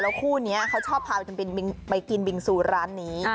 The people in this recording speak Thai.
คู่นี้เขาชอบพากันไปกินบิงซูร้านนี้